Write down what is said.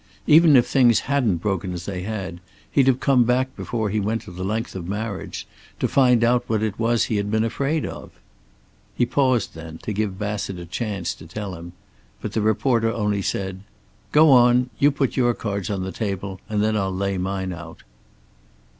Even if things hadn't broken as they had, he'd have come back before he went to the length of marriage, to find out what it was he had been afraid of. He paused then, to give Bassett a chance to tell him, but the reporter only said: "Go on, you put your cards on the table, and then I'll lay mine out."